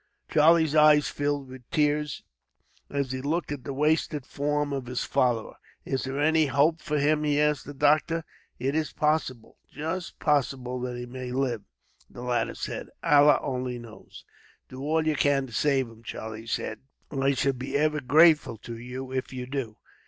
Charlie's eyes filled with tears, as he looked at the wasted form of his follower. "Is there any hope for him?" he asked the doctor. "It is possible, just possible that he may live," the latter said. "Allah only knows." "Do all you can to save him," Charlie said. "I shall be ever grateful to you, if you do."